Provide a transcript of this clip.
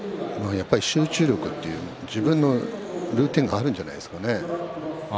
やっぱり集中力というか自分のルーティンがあるんじゃないですかね。